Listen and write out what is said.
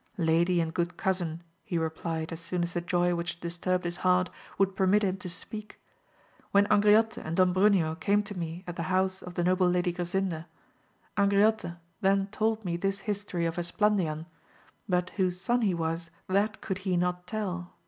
Lady and good cousin, he replied as soon as the joy which dis turbed his heart would permit him to speak, when Angriote and Don Bruneo came to me at the house of 102 AMADIS OF GAUL the noble Lady Grasinda, Angriote then told me this history of Esplandian, but whose son he was that could he not tell.